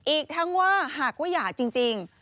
อีกทั้งว่าหากว่าหย่าจริง